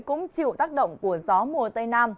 cũng chịu tác động của gió mùa tây nam